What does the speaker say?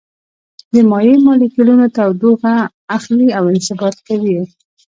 د مایع مالیکولونه تودوخه اخلي او انبساط کوي.